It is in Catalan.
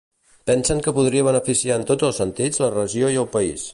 Pensen que podria beneficiar en tots els sentits la regió i el país.